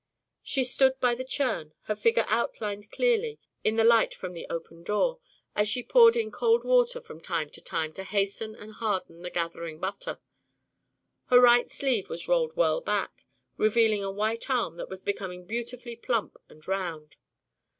She stood by the churn, her figure outlined clearly in the light from the open door, as she poured in cold water from time to time to hasten and harden the gathering butter. Her right sleeve was rolled well back, revealing a white arm that was becoming beautifully plump and round.